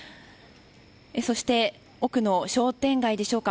そして、奥の商店街でしょうか。